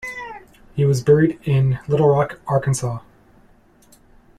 He was buried in Little Rock, Arkansas.